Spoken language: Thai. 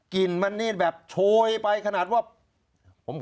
คลุมเพิ่มขาดหมด